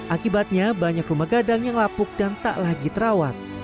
akibatnya banyak rumah gadang yang lapuk dan tak lagi terawat